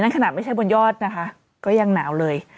ขนาดไม่ใช่บนยอดนะคะก็ยังหนาวเลย